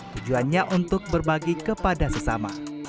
tujuannya untuk berbagi kepada sesama